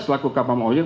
selaku kpam oyg